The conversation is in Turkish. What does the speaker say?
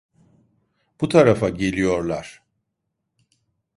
Bu tarafa geliyorlar.